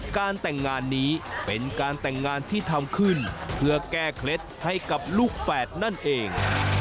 การแต่งงานนี้เป็นการแต่งงานที่ทำขึ้นเพื่อแก้เคล็ดให้กับลูกแฝดนั่นเอง